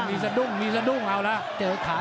มีสะดุ้งเอาล่ะ